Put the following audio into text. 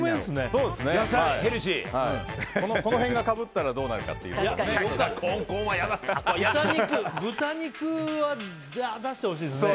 その辺がかぶったらどうなるかですね。